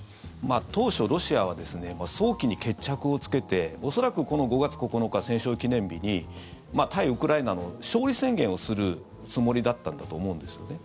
当初、ロシアは早期に決着をつけて恐らく、この５月９日戦勝記念日に対ウクライナの勝利宣言をするつもりだったんだと思うんですよね。